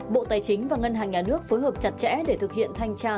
bộ tài chính và ngân hàng nhà nước phối hợp chặt chẽ để thực hiện thanh tra